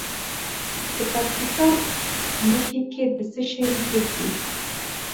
د پکتیکا په نکې کې د څه شي نښې دي؟